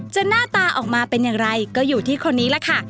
หน้าตาออกมาเป็นอย่างไรก็อยู่ที่คนนี้ล่ะค่ะ